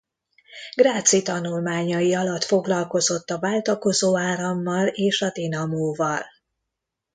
Grazi tanulmányai alatt foglalkozott a váltakozó árammal és a dinamóval.